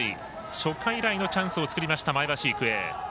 初回以来のチャンスを作った前橋育英。